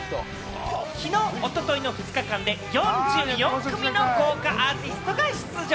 きのう・おとといの２日間で、４４組の豪華アーティストが出場。